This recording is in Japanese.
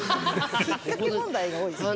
引っかけ問題が多いですね。